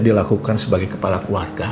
dilakukan sebagai kepala keluarga